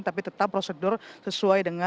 tapi tetap prosedur sesuai dengan